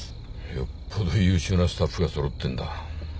よっぽど優秀なスタッフが揃ってんだ。